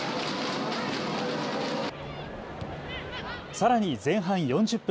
さらに前半４０分。